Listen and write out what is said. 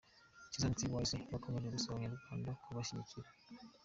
Shizzo na T-Wise bakomeje gusaba abanyarwanda kubashyigikira.